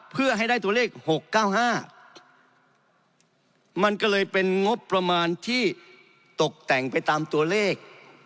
เพื่อให้ได้ตัวเลข๖๙๕มันก็เลยเป็นงบประมาณที่ตกแต่งไปตามตัวเลข